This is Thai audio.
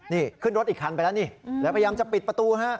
นี่ขึ้นรถอีกคันไปแล้วนี่แล้วพยายามจะปิดประตูฮะ